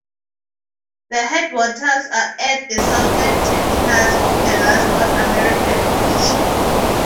The headwaters are at the southern terminus of the last North American glacier.